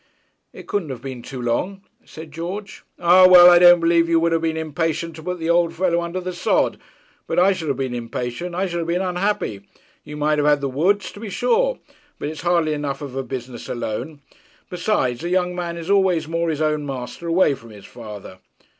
'It couldn't have been too long,' said George. 'Ah well, I don't believe you would have been impatient to put the old fellow under the sod. But I should have been impatient, I should have been unhappy. You might have had the woods, to be sure; but it's hardly enough of a business alone. Besides, a young man is always more his own master away from his father.